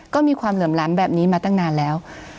ก็มีความเหลื่อมล้ำแบบนี้มาตั้งนานแล้ว